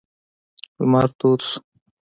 لمر تود شو.